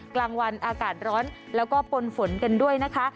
กลางวันอากาศร้อนแล้วก็ปนฝนกันด้วยนะคะ